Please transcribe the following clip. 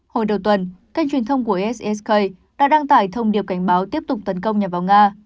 hồi đầu tuần kênh truyền thông của ssk đã đăng tải thông điệp cảnh báo tiếp tục tấn công nhằm vào nga